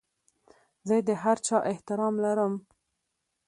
زه د هر چا احترام لرم.